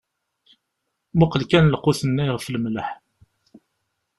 Muqel kan lqut-nni ɣef lmelḥ.